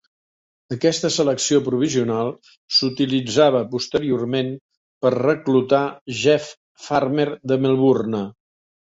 Aquesta selecció provisional s"utilitzava posteriorment per reclutar Jeff Farmer de Melbourne.